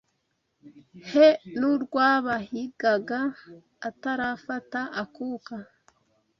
He n’urwabahigaga Atarafata akuka